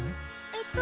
えっと